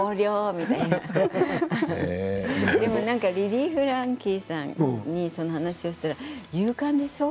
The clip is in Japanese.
みたいなリリー・フランキーさんにその話をしたら夕刊でしょう？